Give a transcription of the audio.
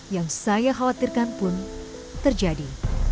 yang saya khawatirkan pun terjadi